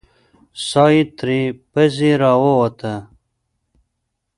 ساه يې تر پزې راووته.